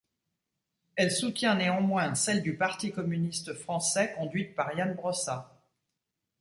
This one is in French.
Elle soutient néanmoins celle du Parti communiste français conduite par Ian Brossat.